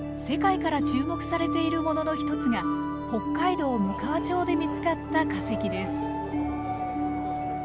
世界から注目されているものの一つが北海道むかわ町で見つかった化石です。